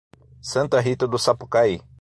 Santa Rita do Sapucaí